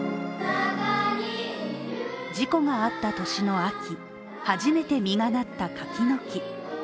事故があった年の秋、初めて実が成った柿の木。